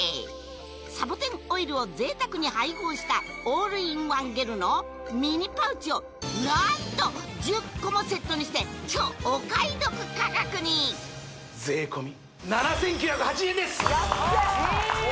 サボテンオイルを贅沢に配合したオールインワンゲルのミニパウチを何と１０個もセットにして超お買い得価格に税込７９８０円です安い！